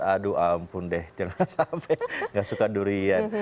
aduh ampun deh jangan sampai gak suka durian